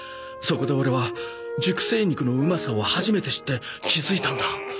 そこでオレは熟成肉のうまさを初めて知って気づいたんだ。